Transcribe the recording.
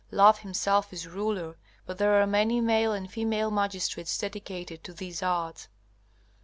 Love himself is ruler, but there are many male and female magistrates dedicated to these arts.